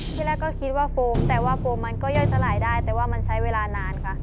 ที่แรกก็คิดว่าโฟมแต่ว่าโฟมมันก็ย่อยสลายได้แต่ว่ามันใช้เวลานานค่ะ